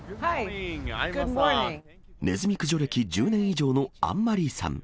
ネズミ駆除歴１０年以上のアンマリーさん。